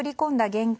現金